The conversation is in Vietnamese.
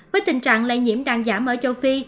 với tình trạng lây nhiễm đàn giảm ở châu phi